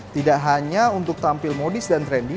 tidak hanya untuk tampil modis dan trendy